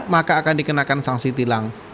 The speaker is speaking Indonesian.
maka akan dikenakan sanksi tilang